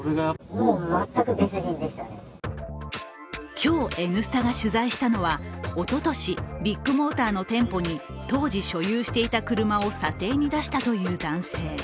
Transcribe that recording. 今日「Ｎスタ」が取材したのは、おととし、ビッグモーターの店舗に当時所有していた車を査定に出したという男性。